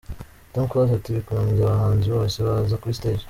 Tom Close ati, Bikunze abahanzi bose baza kuri stage.